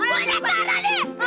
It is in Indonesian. gue naik darah nih